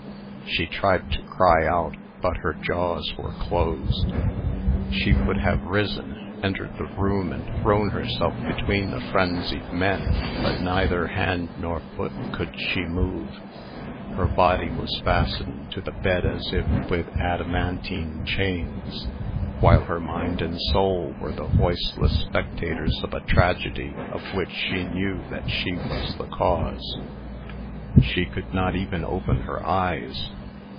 She tried to cry aloud, but her jaws were closed. She would have risen, entered the room, and thrown herself between the frenzied men, but neither hand nor foot could she move. Her body was fastened to the bed as if with adamantine chains, while her mind and soul were the voiceless spectators of a tragedy of which she knew that she was the cause. She could not even open her eyes.